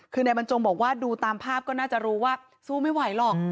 คือนายบรรจงบอกว่าดูตามภาพก็น่าจะรู้ว่าสู้ไม่ไหวหรอก